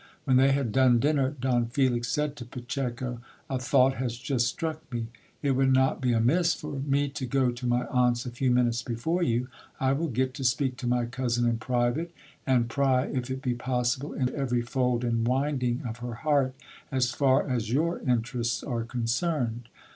When they had done dinner, Don Felix said to Pacheco— A thought has just struck me. It woidd not be amiss for me to go to my aunt's a few minutes before you ; I will get to speak to my cousin in private, and pry, if it be possible, into every fold and winding of her heart, as far as your interests are concerned.